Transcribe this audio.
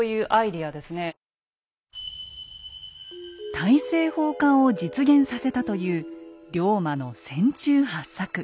大政奉還を実現させたという龍馬の船中八策。